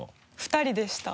２人でした。